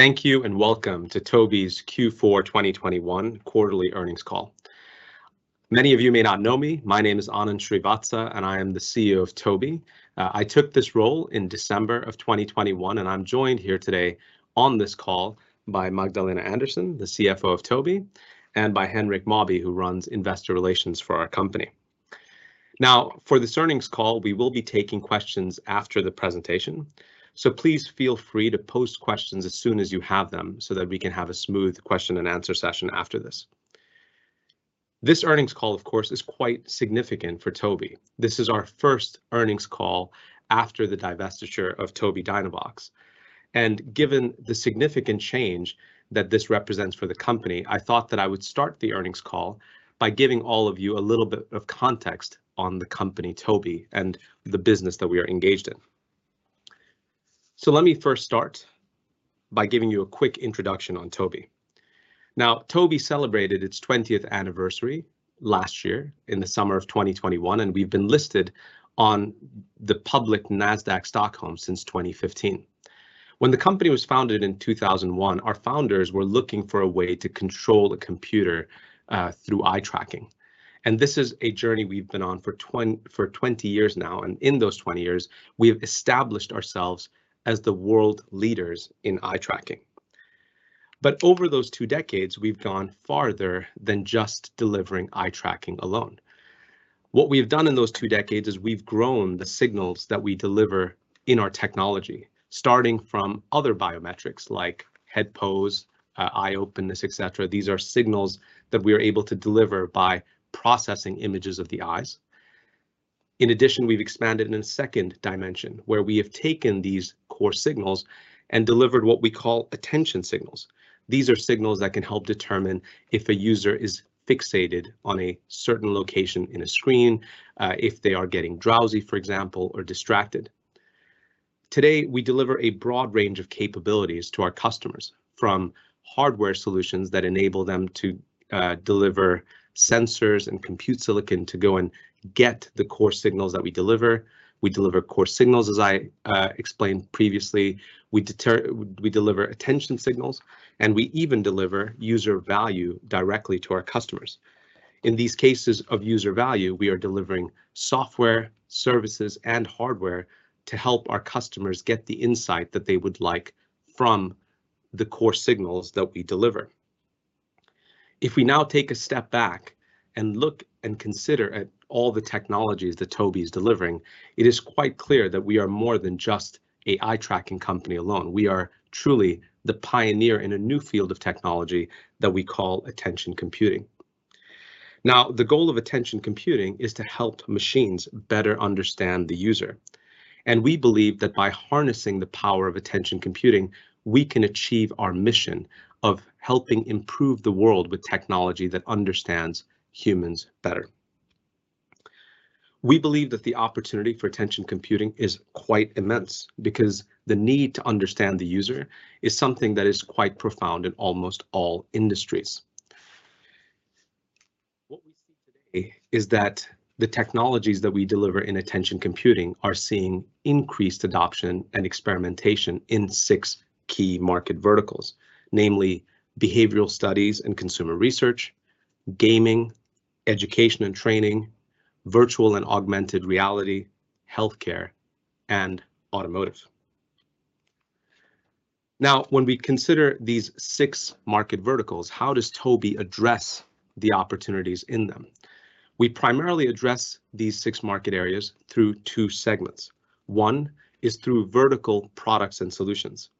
Thank you and welcome to Tobii's Q4 2021 Quarterly Earnings Call. Many of you may not know me. My name is Anand Srivatsa, and I am the CEO of Tobii. I took this role in December of 2021, and I'm joined here today on this call by Magdalena Anderson, the CFO of Tobii, and by Henrik Mawby, who runs investor relations for our company. Now, for this earnings call, we will be taking questions after the presentation, so please feel free to post questions as soon as you have them so that we can have a smooth question and answer session after this. This earnings call, of course, is quite significant for Tobii. This is our first earnings call after the divestiture of Tobii Dynavox. Given the significant change that this represents for the company, I thought that I would start the earnings call by giving all of you a little bit of context on the company Tobii and the business that we are engaged in. Let me first start by giving you a quick introduction on Tobii. Now, Tobii celebrated its 20th anniversary last year in the summer of 2021, and we've been listed on the public Nasdaq Stockholm since 2015. When the company was founded in 2001, our founders were looking for a way to control the computer through eye tracking, and this is a journey we've been on for 20 years now, and in those 20 years we have established ourselves as the world leaders in eye tracking. Over those two decades, we've gone farther than just delivering eye tracking alone. What we've done in those two decades is we've grown the signals that we deliver in our technology, starting from other biometrics like head pose, eye openness, et cetera. These are signals that we are able to deliver by processing images of the eyes. In addition, we've expanded in a second dimension, where we have taken these core signals and delivered what we call attention signals. These are signals that can help determine if a user is fixated on a certain location in a screen, if they are getting drowsy, for example, or distracted. Today, we deliver a broad range of capabilities to our customers, from hardware solutions that enable them to deliver sensors and compute silicon to go and get the core signals that we deliver. We deliver core signals as I explained previously. We deliver attention signals, and we even deliver user value directly to our customers. In these cases of user value, we are delivering software, services, and hardware to help our customers get the insight that they would like from the core signals that we deliver. If we now take a step back and look and consider at all the technologies that Tobii's delivering, it is quite clear that we are more than just an eye tracking company alone. We are truly the pioneer in a new field of technology that we call attention computing. Now, the goal of attention computing is to help machines better understand the user, and we believe that by harnessing the power of attention computing, we can achieve our mission of helping improve the world with technology that understands humans better. We believe that the opportunity for attention computing is quite immense because the need to understand the user is something that is quite profound in almost all industries. What we see today is that the technologies that we deliver in attention computing are seeing increased adoption and experimentation in six key market verticals, namely behavioral studies and consumer research, gaming, education and training, virtual and augmented reality, healthcare, and automotive. Now, when we consider these six market verticals, how does Tobii address the opportunities in them? We primarily address these six market areas through two segments. One is through vertical products and solutions.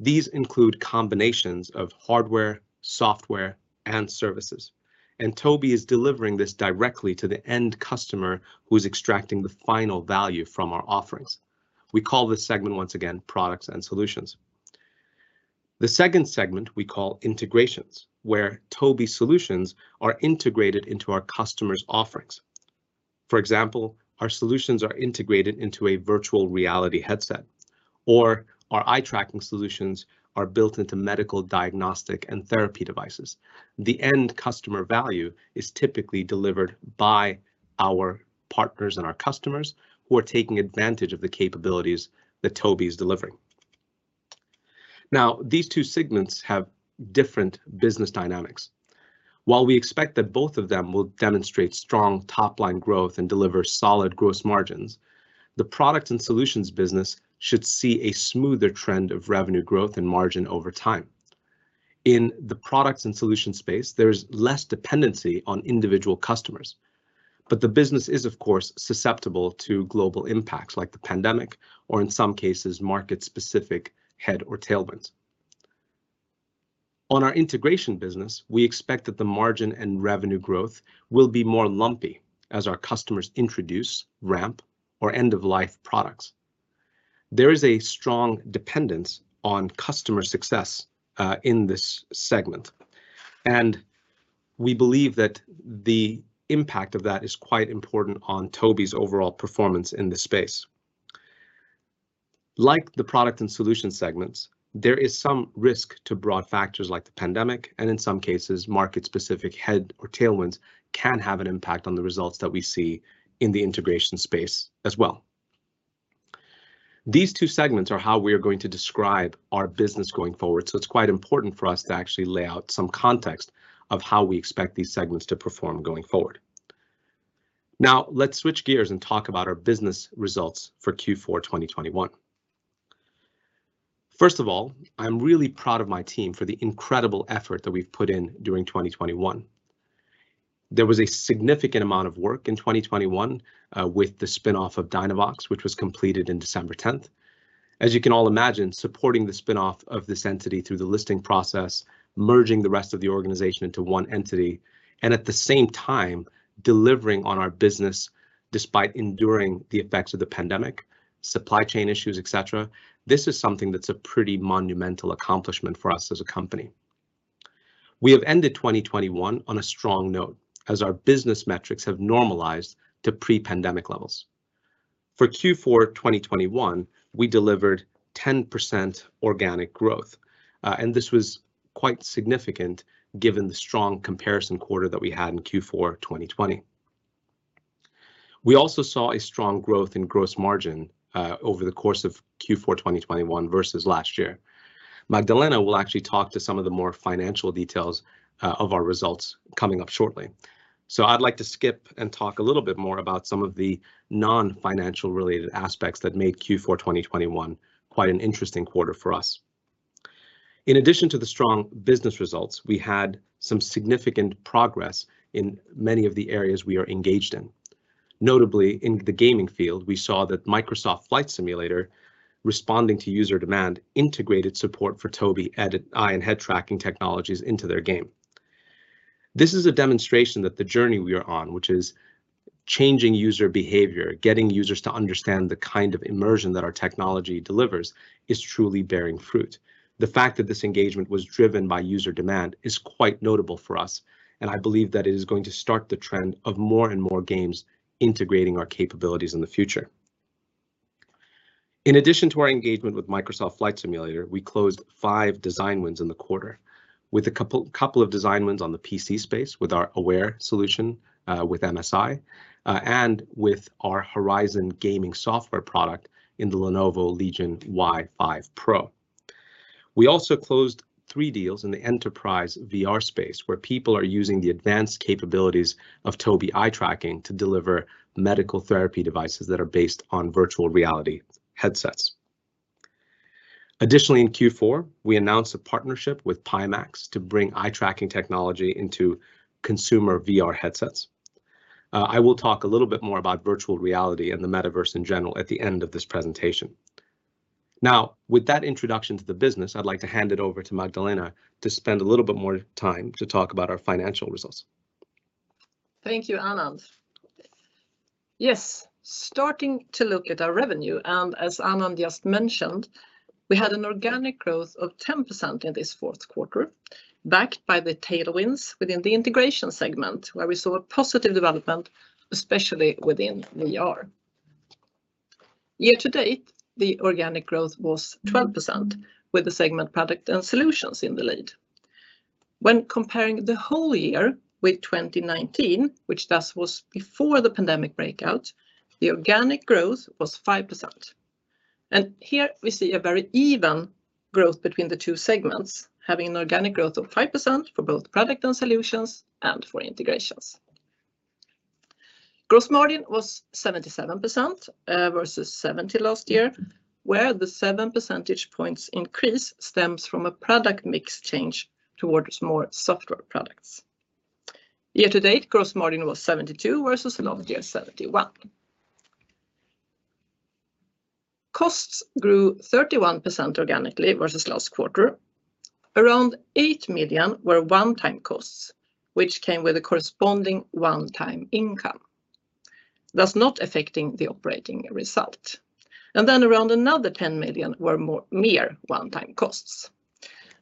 These include combinations of hardware, software, and services, and Tobii is delivering this directly to the end customer who's extracting the final value from our offerings. We call this segment, once again, Products and Solutions. The second segment we call integrations, where Tobii solutions are integrated into our customers' offerings. For example, our solutions are integrated into a virtual reality headset, or our eye tracking solutions are built into medical diagnostic and therapy devices. The end customer value is typically delivered by our partners and our customers who are taking advantage of the capabilities that Tobii's delivering. Now, these two segments have different business dynamics. While we expect that both of them will demonstrate strong top-line growth and deliver solid gross margins, the products and solutions business should see a smoother trend of revenue growth and margin over time. In the products and solutions space, there's less dependency on individual customers, but the business is, of course, susceptible to global impacts like the pandemic or, in some cases, market-specific headwinds or tailwinds. On our integration business, we expect that the margin and revenue growth will be more lumpy as our customers introduce ramp or end of life products. There is a strong dependence on customer success in this segment, and we believe that the impact of that is quite important on Tobii's overall performance in this space. Like the product and solution segments, there is some risk to broad factors like the pandemic and, in some cases, market-specific head or tailwinds can have an impact on the results that we see in the integration space as well. These two segments are how we are going to describe our business going forward, so it's quite important for us to actually lay out some context of how we expect these segments to perform going forward. Now, let's switch gears and talk about our business results for Q4 2021. First of all, I'm really proud of my team for the incredible effort that we've put in during 2021. There was a significant amount of work in 2021 with the spin-off of Tobii Dynavox, which was completed in December 10th. As you can all imagine, supporting the spin-off of this entity through the listing process, merging the rest of the organization into one entity, and at the same time, delivering on our business despite enduring the effects of the pandemic, supply chain issues, et cetera, this is something that's a pretty monumental accomplishment for us as a company. We have ended 2021 on a strong note as our business metrics have normalized to pre-pandemic levels. For Q4 2021, we delivered 10% organic growth, and this was quite significant given the strong comparison quarter that we had in Q4 2020. We also saw a strong growth in gross margin over the course of Q4 2021 versus last year. Magdalena will actually talk to some of the more financial details of our results coming up shortly. I'd like to skip and talk a little bit more about some of the non-financial related aspects that made Q4 2021 quite an interesting quarter for us. In addition to the strong business results, we had some significant progress in many of the areas we are engaged in. Notably in the gaming field, we saw that Microsoft Flight Simulator, responding to user demand, integrated support for Tobii's eye and head tracking technologies into their game. This is a demonstration that the journey we are on, which is changing user behavior, getting users to understand the kind of immersion that our technology delivers, is truly bearing fruit. The fact that this engagement was driven by user demand is quite notable for us, and I believe that it is going to start the trend of more and more games integrating our capabilities in the future. In addition to our engagement with Microsoft Flight Simulator, we closed five design wins in the quarter, with a couple of design wins on the PC space with our Aware solution with MSI, and with our Horizon gaming software product in the Lenovo Legion Y5 Pro. We also closed three deals in the enterprise VR space, where people are using the advanced capabilities of Tobii eye tracking to deliver medical therapy devices that are based on virtual reality headsets. Additionally, in Q4, we announced a partnership with Pimax to bring eye tracking technology into consumer VR headsets. I will talk a little bit more about virtual reality and the metaverse in general at the end of this presentation. Now, with that introduction to the business, I'd like to hand it over to Magdalena to spend a little bit more time to talk about our financial results. Thank you, Anand. Yes, starting to look at our revenue, and as Anand just mentioned, we had an organic growth of 10% in this fourth quarter, backed by the tailwinds within the integration segment, where we saw a positive development, especially within VR. Year-to-date, the organic growth was 12%, with the segment product and solutions in the lead. When comparing the whole year with 2019, which thus was before the pandemic breakout, the organic growth was 5%. Here we see a very even growth between the two segments, having an organic growth of 5% for both product and solutions and for integrations. Gross margin was 77% versus 70% last year, where the 7% points increase stems from a product mix change towards more software products. Year-to-date, gross margin was 72% versus last year 71%. Costs grew 31% organically versus last quarter. Around 8 million were one-time costs, which came with a corresponding one-time income, thus not affecting the operating result. Around another 10 million were more, mere one-time costs.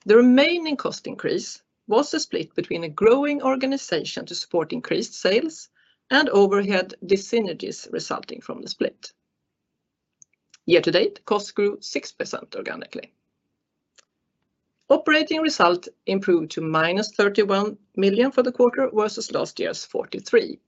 The remaining cost increase was a split between a growing organization to support increased sales and overhead dyssynergies resulting from the split. Year-to-date, costs grew 6% organically. Operating result improved to minus 31 million for the quarter versus last year's 43.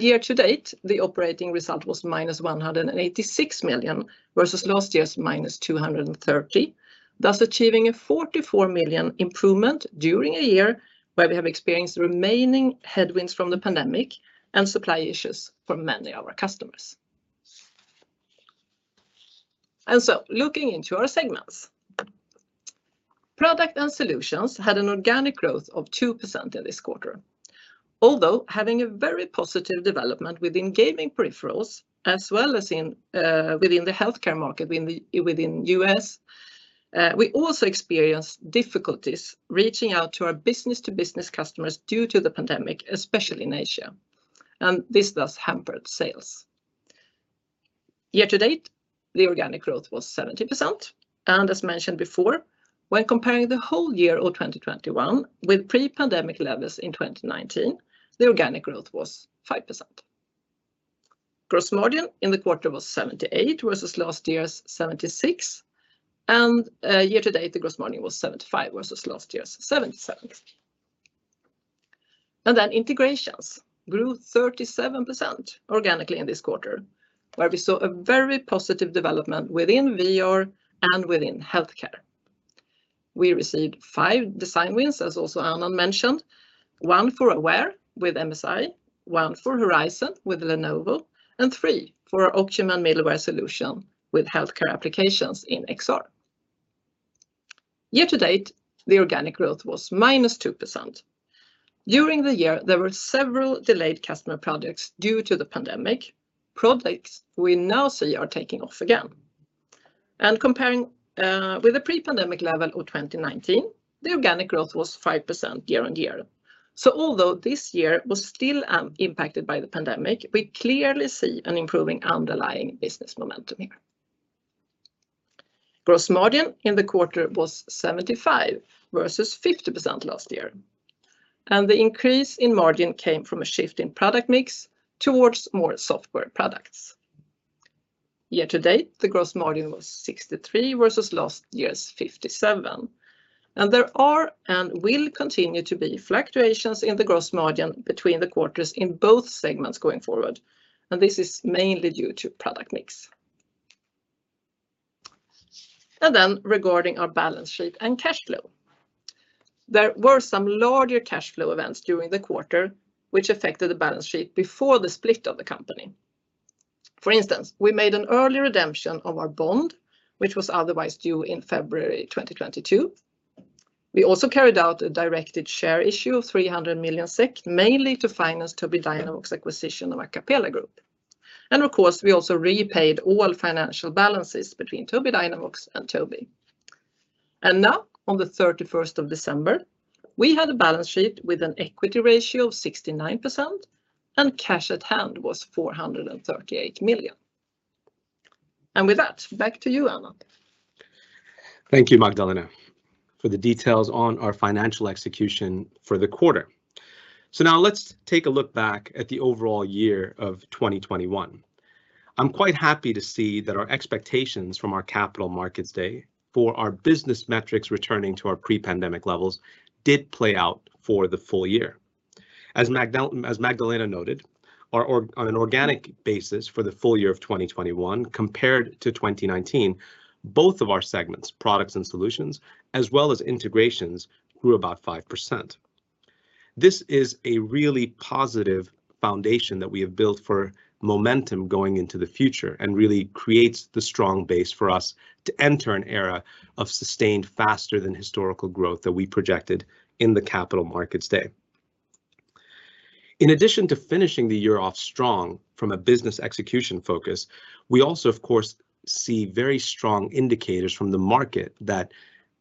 Year to date, the operating result was -186 million versus last year's -230, thus achieving a 44 million improvement during a year where we have experienced remaining headwinds from the pandemic and supply issues for many of our customers. Looking into our segments. Products and Solutions had an organic growth of 2% in this quarter. Although having a very positive development within gaming peripherals as well as in the healthcare market in the U.S., we also experienced difficulties reaching out to our business-to-business customers due to the pandemic, especially in Asia, and this thus hampered sales. Year-to-date, the organic growth was 17%, and as mentioned before, when comparing the whole year of 2021 with pre-pandemic levels in 2019, the organic growth was 5%. Gross margin in the quarter was 78% versus last year's 76%, and year-to-date, the gross margin was 75% versus last year's 77%. Integrations grew 37% organically in this quarter, where we saw a very positive development within VR and within healthcare. We received five design wins, as also Anand mentioned, one for Aware with MSI, one for Horizon with Lenovo, and three for our Ocumen middleware solution with healthcare applications in XR. Year-to-date, the organic growth was -2%. During the year, there were several delayed customer projects due to the pandemic, projects we now see are taking off again. Comparing with the pre-pandemic level of 2019, the organic growth was 5% year-on-year. Although this year was still impacted by the pandemic, we clearly see an improving underlying business momentum here. Gross margin in the quarter was 75% versus 50% last year, and the increase in margin came from a shift in product mix towards more software products. Year-to-date, the gross margin was 63% versus last year's 57%, and there will continue to be fluctuations in the gross margin between the quarters in both segments going forward, and this is mainly due to product mix. Then regarding our balance sheet and cash flow, there were some larger cash flow events during the quarter which affected the balance sheet before the split of the company. For instance, we made an early redemption of our bond, which was otherwise due in February 2022. We also carried out a directed share issue of 300 million SEK, mainly to finance Tobii Dynavox's acquisition of Acapela Group. Of course, we also repaid all financial balances between Tobii Dynavox and Tobii. Now, on the 31st of December, we had a balance sheet with an equity ratio of 69%, and cash at hand was 438 million. With that, back to you, Anand. Thank you Magdalena for the details on our financial execution for the quarter. Now let's take a look back at the overall year of 2021. I'm quite happy to see that our expectations from our Capital Markets Day for our business metrics returning to our pre-pandemic levels did play out for the full year. As Magdalena noted, on an organic basis for the full year of 2021 compared to 2019, both of our segments, Products and Solutions, as well as Integrations, grew about 5%. This is a really positive foundation that we have built for momentum going into the future and really creates the strong base for us to enter an era of sustained faster than historical growth that we projected in the Capital Markets Day. In addition to finishing the year off strong from a business execution focus, we also of course see very strong indicators from the market that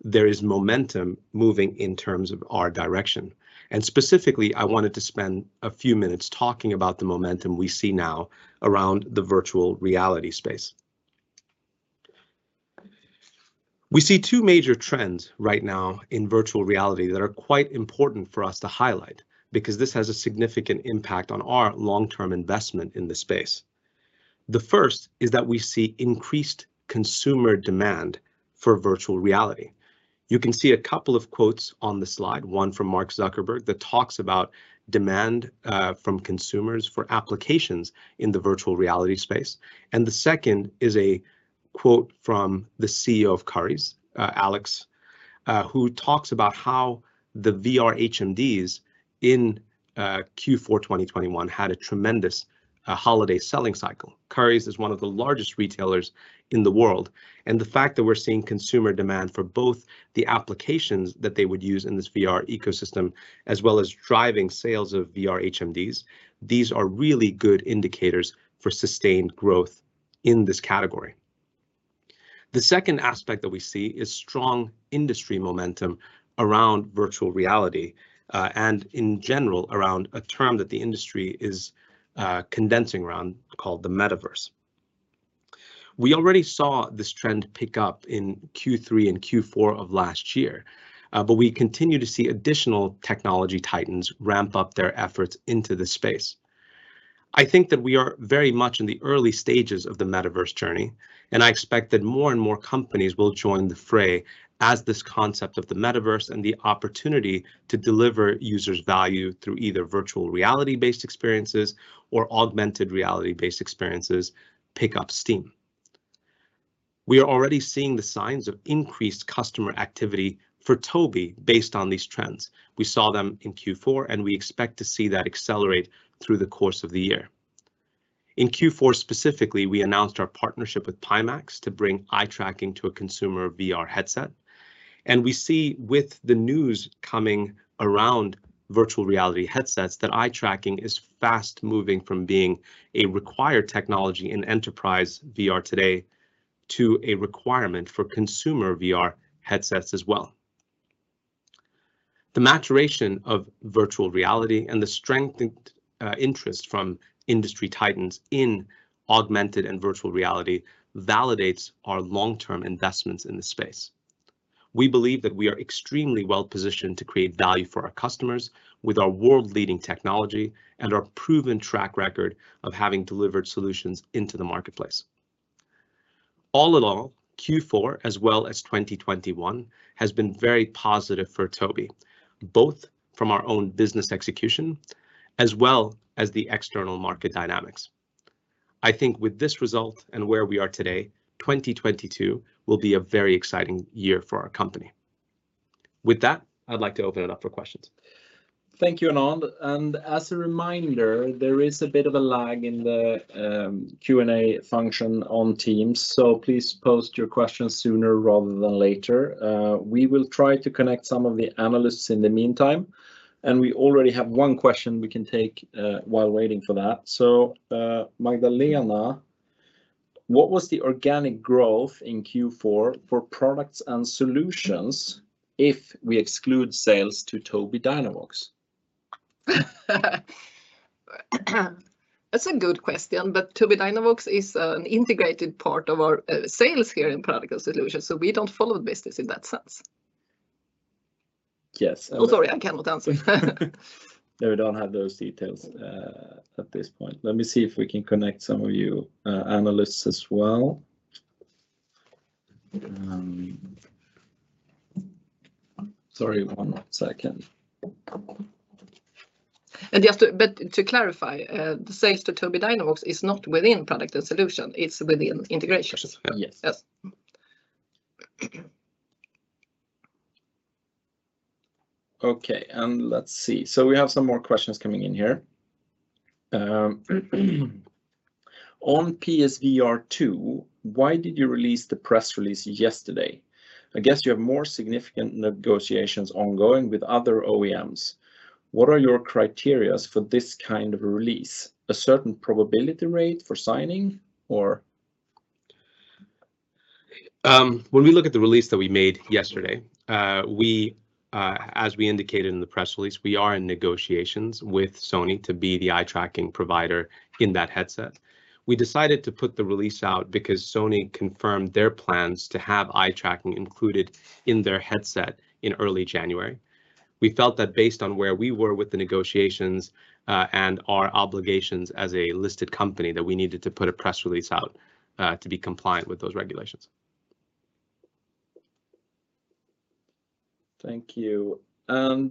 there is momentum moving in terms of our direction. Specifically, I wanted to spend a few minutes talking about the momentum we see now around the virtual reality space. We see two major trends right now in virtual reality that are quite important for us to highlight because this has a significant impact on our long-term investment in the space. The first is that we see increased consumer demand for virtual reality. You can see a couple of quotes on the slide, one from Mark Zuckerberg that talks about demand from consumers for applications in the virtual reality space. The second is a quote from the CEO of Currys, Alex, who talks about how the VR HMDs in Q4 2021 had a tremendous holiday selling cycle. Currys is one of the largest retailers in the world, and the fact that we're seeing consumer demand for both the applications that they would use in this VR ecosystem as well as driving sales of VR HMDs, these are really good indicators for sustained growth in this category. The second aspect that we see is strong industry momentum around virtual reality, and in general, around a term that the industry is condensing around called the metaverse. We already saw this trend pick up in Q3 and Q4 of last year, but we continue to see additional technology titans ramp up their efforts into this space. I think that we are very much in the early stages of the metaverse journey, and I expect that more and more companies will join the fray as this concept of the metaverse and the opportunity to deliver users value through either virtual reality-based experiences or augmented reality-based experiences pick up steam. We are already seeing the signs of increased customer activity for Tobii based on these trends. We saw them in Q4, and we expect to see that accelerate through the course of the year. In Q4 specifically, we announced our partnership with Pimax to bring eye tracking to a consumer VR headset, and we see with the news coming around virtual reality headsets that eye tracking is fast moving from being a required technology in enterprise VR today to a requirement for consumer VR headsets as well. The maturation of virtual reality and the strengthened interest from industry titans in augmented and virtual reality validates our long-term investments in the space. We believe that we are extremely well-positioned to create value for our customers with our world-leading technology and our proven track record of having delivered solutions into the marketplace. All in all, Q4 as well as 2021 has been very positive for Tobii, both from our own business execution as well as the external market dynamics. I think with this result and where we are today, 2022 will be a very exciting year for our company. With that, I'd like to open it up for questions. Thank you, Anand. As a reminder, there is a bit of a lag in the Q&A function on Teams, so please post your questions sooner rather than later. We will try to connect some of the analysts in the meantime, and we already have one question we can take while waiting for that. Magdalena, what was the organic growth in Q4 for products and solutions if we exclude sales to Tobii Dynavox? That's a good question. Tobii Dynavox is an integrated part of our sales here in products and solutions, so we don't follow the business in that sense. Yes. Oh, sorry, I cannot answer. No, we don't have those details at this point. Let me see if we can connect some of you analysts as well. Sorry, one second. To clarify, the sales to Tobii Dynavox is not within product and solution. It's within integration. Yes. Yes. Okay, let's see. We have some more questions coming in here. On PlayStation VR2, why did you release the press release yesterday? I guess you have more significant negotiations ongoing with other OEMs. What are your criteria for this kind of release? A certain probability rate for signing, or? When we look at the release that we made yesterday, as we indicated in the press release, we are in negotiations with Sony to be the eye tracking provider in that headset. We decided to put the release out because Sony confirmed their plans to have eye tracking included in their headset in early January. We felt that based on where we were with the negotiations, and our obligations as a listed company, that we needed to put a press release out, to be compliant with those regulations. Thank you. Daniel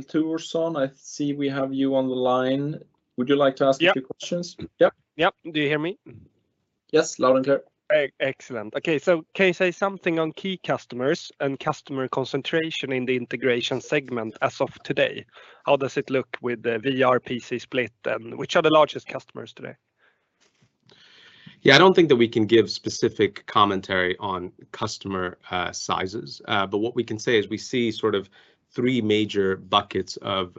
Thorsson, I see we have you on the line. Would you like to ask a few questions? Yep. Do you hear me? Yes, loud and clear. Excellent. Okay. Can you say something on key customers and customer concentration in the integration segment as of today? How does it look with the VR PC split, and which are the largest customers today? Yeah, I don't think that we can give specific commentary on customer sizes. What we can say is we see sort of three major buckets of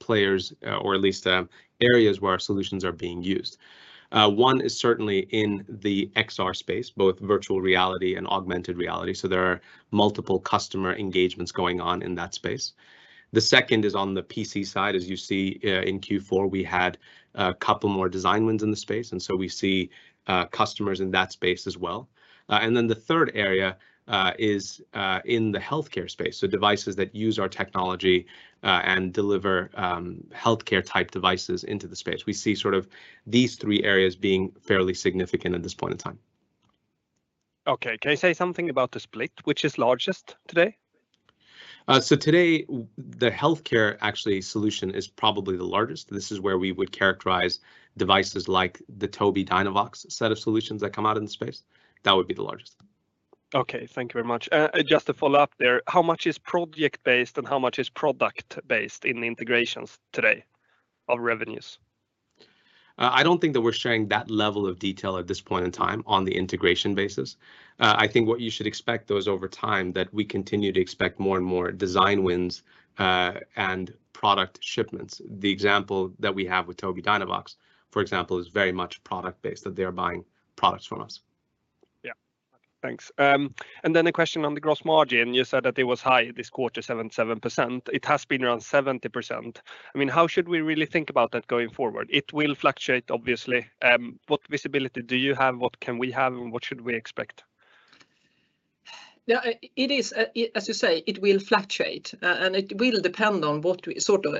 players, or at least areas where our solutions are being used. One is certainly in the XR space, both virtual reality and augmented reality, so there are multiple customer engagements going on in that space. The second is on the PC side. As you see, in Q4, we had a couple more design wins in the space, and so we see customers in that space as well. The third area is in the healthcare space, so devices that use our technology and deliver healthcare-type devices into the space. We see sort of these three areas being fairly significant at this point in time. Okay. Can you say something about the split, which is largest today? Today the healthcare actually solution is probably the largest. This is where we would characterize devices like the Tobii Dynavox set of solutions that come out in the space. That would be the largest. Okay. Thank you very much. Just to follow up there, how much is project based and how much is product based in the integrations today of revenues? I don't think that we're sharing that level of detail at this point in time on the integration basis. I think what you should expect though is over time, that we continue to expect more and more design wins, and product shipments. The example that we have with Tobii Dynavox, for example, is very much product based, that they are buying products from us. Yeah. Thanks. A question on the gross margin. You said that it was high this quarter, 77%. It has been around 70%. I mean, how should we really think about that going forward? It will fluctuate obviously. What visibility do you have? What can we have, and what should we expect? Yeah, it is, as you say, it will fluctuate, and it will depend on what we sort of.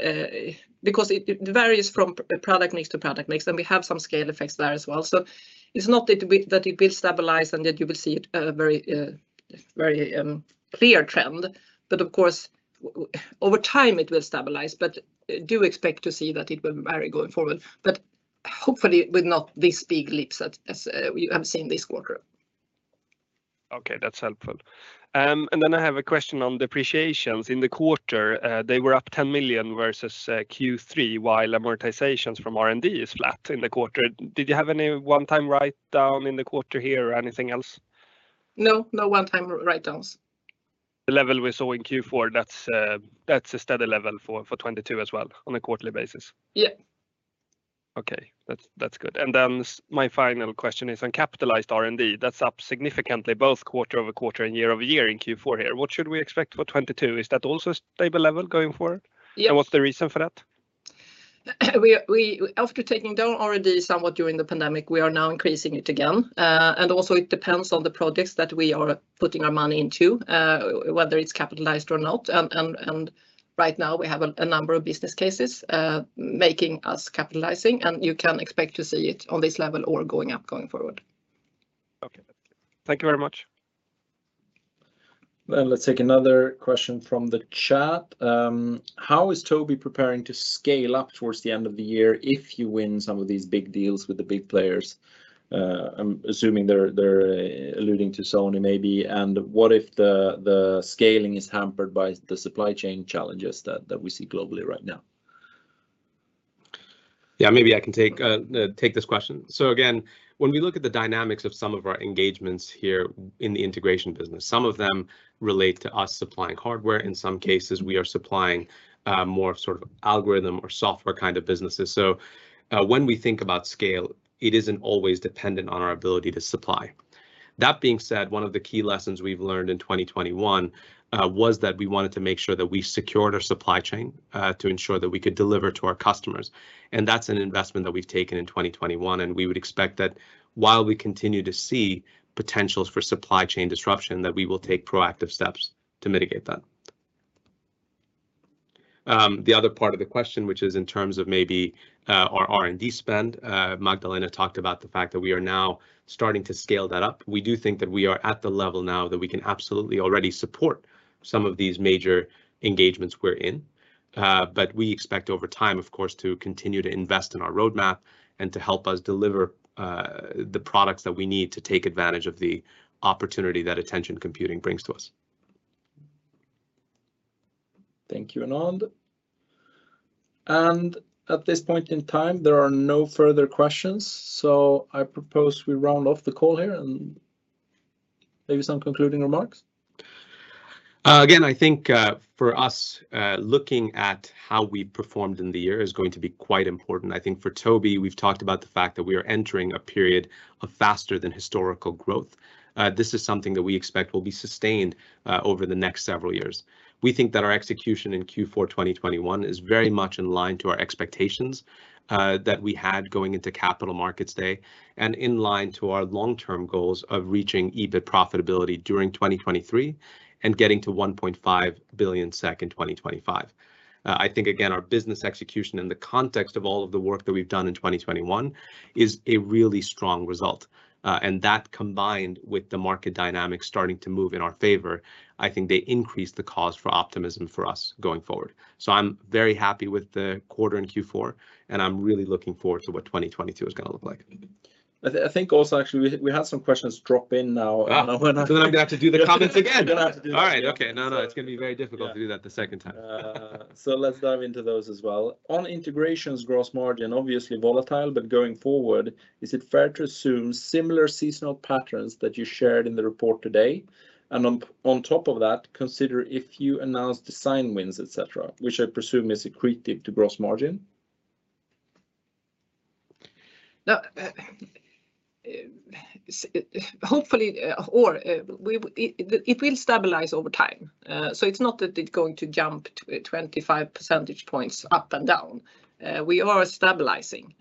Because it varies from product mix to product mix, and we have some scale effects there as well. It's not that it will stabilize and that you will see it very clear trend. Of course over time, it will stabilize. Do expect to see that it will vary going forward. Hopefully with not these big leaps as we have seen this quarter. Okay, that's helpful. I have a question on depreciations in the quarter. They were up 10 million versus Q3, while amortizations from R&D is flat in the quarter. Did you have any one-time write-down in the quarter here or anything else? No, no one-time write-downs. The level we saw in Q4, that's a steady level for 2022 as well on a quarterly basis? Yeah. Okay. That's good. Then my final question is on capitalized R&D. That's up significantly both quarter-over-quarter and year-over-year in Q4 here. What should we expect for 2022? Is that also stable level going forward? Yes. What's the reason for that? We, after taking down R&D somewhat during the pandemic, we are now increasing it again. Also it depends on the projects that we are putting our money into, whether it's capitalized or not. Right now we have a number of business cases making us capitalizing, and you can expect to see it on this level or going up going forward. Okay. Thank you very much. Let's take another question from the chat. How is Tobii preparing to scale up towards the end of the year if you win some of these big deals with the big players? I'm assuming they're alluding to Sony maybe. What if the scaling is hampered by the supply chain challenges that we see globally right now? Yeah, maybe I can take this question. Again, when we look at the dynamics of some of our engagements here in the integration business, some of them relate to us supplying hardware. In some cases, we are supplying more sort of algorithm or software kind of businesses. When we think about scale, it isn't always dependent on our ability to supply. That being said, one of the key lessons we've learned in 2021 was that we wanted to make sure that we secured our supply chain to ensure that we could deliver to our customers, and that's an investment that we've taken in 2021. We would expect that while we continue to see potentials for supply chain disruption, that we will take proactive steps to mitigate that. The other part of the question, which is in terms of maybe, our R&D spend. Magdalena talked about the fact that we are now starting to scale that up. We do think that we are at the level now that we can absolutely already support some of these major engagements we're in. We expect over time, of course, to continue to invest in our roadmap and to help us deliver, the products that we need to take advantage of the opportunity that attention computing brings to us. Thank you, Anand. At this point in time, there are no further questions, so I propose we round off the call here, and maybe some concluding remarks. Again, I think, for us, looking at how we've performed in the year is going to be quite important. I think for Tobii, we've talked about the fact that we are entering a period of faster than historical growth. This is something that we expect will be sustained, over the next several years. We think that our execution in Q4 2021 is very much in line with our expectations, that we had going into Capital Markets Day, and in line with our long-term goals of reaching EBIT profitability during 2023, and getting to 1.5 billion SEK in 2025. I think again, our business execution in the context of all of the work that we've done in 2021 is a really strong result. That combined with the market dynamics starting to move in our favor, I think they increase the cause for optimism for us going forward. I'm very happy with the quarter in Q4, and I'm really looking forward to what 2022 is gonna look like. I think also actually we have some questions drop in now. Ah. You know, when I. Now I'm gonna have to do the comments again. You're gonna have to do this, yeah. All right. Okay. No, it's gonna be very difficult. Yeah. To do that the second time. Let's dive into those as well. On integrations gross margin, obviously volatile, but going forward, is it fair to assume similar seasonal patterns that you shared in the report today? On top of that, consider if you announce design wins, et cetera, which I presume is accretive to gross margin. Now, hopefully, it will stabilize over time. It's not that it's going to jump 25% points up and down. We are stabilizing.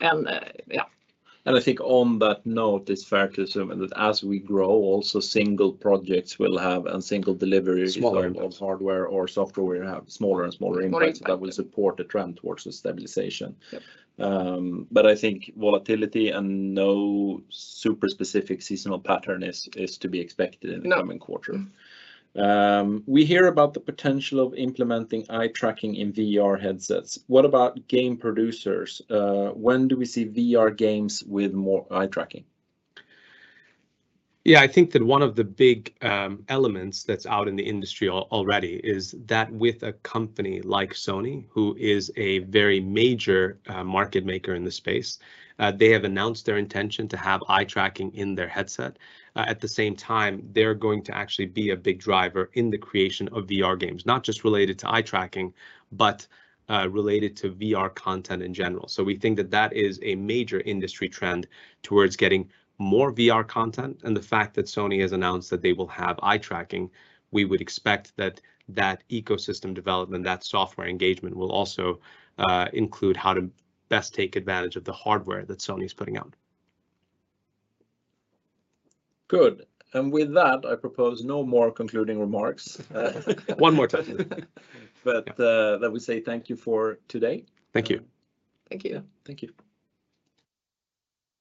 Yeah. I think on that note, it's fair to assume that as we grow, also single projects will have, and single deliveries- Smaller Of hardware or software will have smaller and smaller impact. Smaller impact. that will support the trend towards the stabilization. Yep. I think volatility and no super specific seasonal pattern is to be expected in the coming quarter. No. Mm-hmm. We hear about the potential of implementing eye tracking in VR headsets. What about game producers? When do we see VR games with more eye tracking? Yeah. I think that one of the big elements that's out in the industry already is that with a company like Sony, who is a very major market maker in the space, they have announced their intention to have eye tracking in their headset. At the same time, they're going to actually be a big driver in the creation of VR games, not just related to eye tracking, but related to VR content in general. We think that that is a major industry trend towards getting more VR content, and the fact that Sony has announced that they will have eye tracking, we would expect that that ecosystem development, that software engagement, will also include how to best take advantage of the hardware that Sony's putting out. Good. With that, I propose no more concluding remarks. One more time. Let me say thank you for today. Thank you. Thank you. Thank you.